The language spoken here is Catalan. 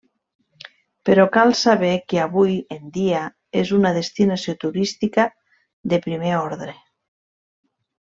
Però cal saber que avui en dia és una destinació turística de primer ordre.